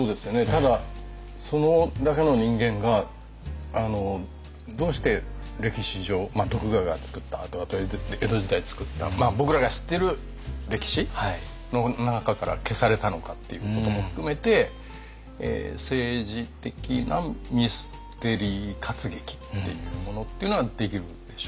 ただそれだけの人間がどうして歴史上徳川が作った後々江戸時代作った僕らが知ってる歴史の中から消されたのかっていうことも含めて政治的なミステリー活劇っていうものっていうのはできるでしょうね。